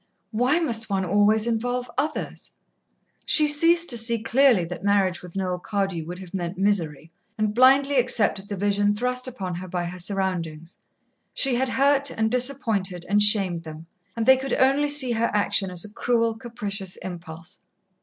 Why must one always involve others? She ceased to see clearly that marriage with Noel Cardew would have meant misery, and blindly accepted the vision thrust upon her by her surroundings. She had hurt and disappointed and shamed them, and they could only see her action as a cruel, capricious impulse.